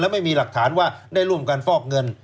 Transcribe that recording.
ไม่มีหลักฐานว่าได้ร่วมกันฟอกเงิน